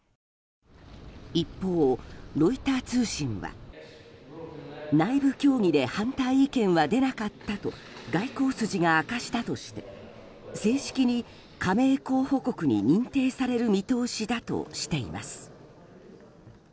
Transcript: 一方、ロイター通信は内部協議で反対意見は出なかったと外交筋が明かしたとして正式に加盟候補国に認定される見通しだとしています。